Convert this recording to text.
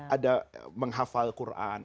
ada menghafal al quran